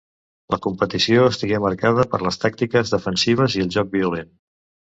La competició estigué marcada per les tàctiques defensives i el joc violent.